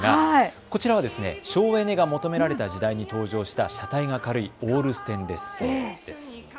こちらは省エネが求められた時代に登場した車体が軽いオールステンレス製です。